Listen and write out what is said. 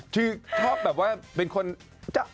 คือชอบแบบว่าเป็นคนน่ารัก